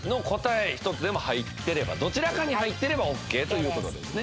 １つでも入ってればどちらかに入ってればオッケーという事ですね。